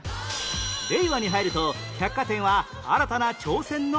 令和に入ると百貨店は新たな挑戦の時代へ